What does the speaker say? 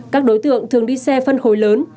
các đối tượng thường đi xe phân khối lớn